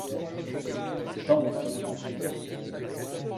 C'est un bon film.